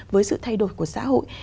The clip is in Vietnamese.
với sự thay đổi của xã hội